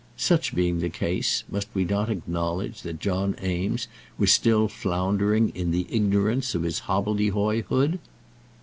Such being the case, must we not acknowledge that John Eames was still floundering in the ignorance of his hobbledehoyhood?